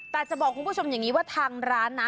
แต่จะบอกคุณผู้ชมอย่างนี้ว่าทางร้านนะ